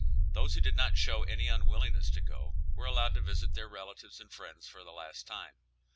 Those who did not show any unwillingness to go were allowed to visit their relatives and friends for the last time.